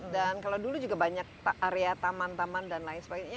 dan kalau dulu juga banyak area taman taman dan lain sebagainya